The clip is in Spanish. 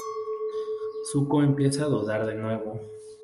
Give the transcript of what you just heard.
Zuko empieza a dudar de nuevo.